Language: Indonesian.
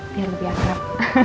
biar lebih akrab